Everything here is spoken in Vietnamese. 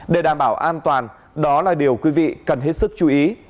để đảm bảo an toàn đó là điều quý vị cần hết sức chú ý